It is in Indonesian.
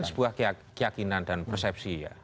nah itu adalah perkembangan dan persepsi ya